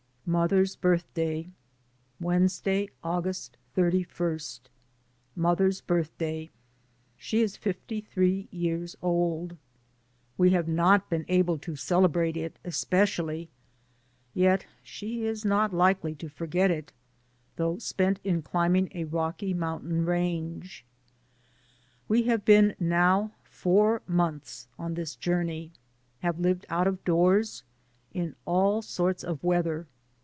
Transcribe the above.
mother's birthday. Wednesday, August 31. Mother's birthday. She is fifty three years old. We have not been able to cele 254 DAYS ON THE ROAD. brate it especially, yet she is not likely to forget it, though spent in climbing a Rocky Mountain range. We have been now four months on this journey. Have lived out of doors, in all sorts of weather.